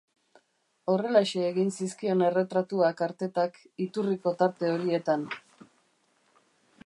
Horrelaxe egin zizkion erretratuak Artetak, iturriko tarte horietan.